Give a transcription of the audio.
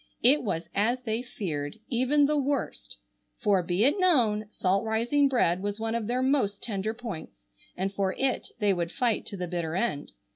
It was as they feared, even the worst. For, be it known, salt rising bread was one of their most tender points, and for it they would fight to the bitter end.